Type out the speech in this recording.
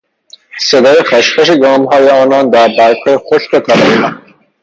صدای خشخش گامهای آنان در برگهای خشک و طلایی رنگ